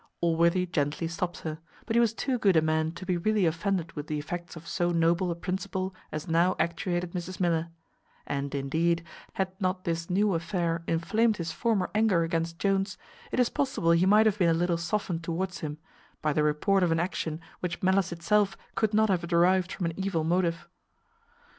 Allworthy gently stopped her; but he was too good a man to be really offended with the effects of so noble a principle as now actuated Mrs Miller; and indeed, had not this new affair inflamed his former anger against Jones, it is possible he might have been a little softened towards him, by the report of an action which malice itself could not have derived from an evil motive.